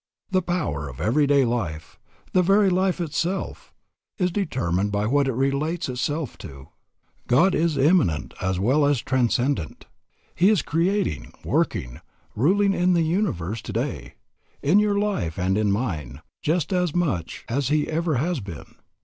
The power of every life, the very life itself, is determined by what it relates itself to. God is immanent as well as transcendent. He is creating, working, ruling in the universe today, in your life and in mine, just as much as He ever has been.